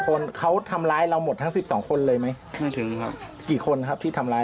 คนเขาทำร้ายเราหมดทั้งสิบสองคนเลยไหมไม่ถึงครับกี่คนครับที่ทำร้าย